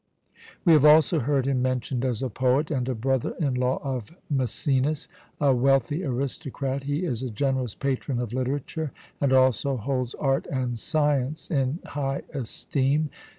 We have also heard him mentioned as a poet and a brother in law of Mæcenas. A wealthy aristocrat, he is a generous patron of literature, and also holds art and science in high esteem.